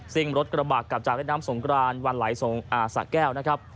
ซิ่งรถกระบากกลับจากแรกน้ำสงกรานวันไหลสงสะแก้วนะครับ